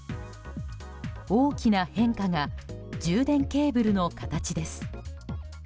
大きな変化が充電ケーブルの形です。